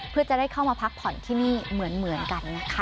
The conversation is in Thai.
เพื่อจะได้เข้ามาพักผ่อนที่นี่เหมือนกันนะคะ